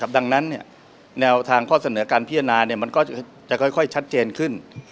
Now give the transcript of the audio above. ดังนั้นแนวทางข้อเสนอการพิจารณามันก็จะค่อยชัดเจนขึ้น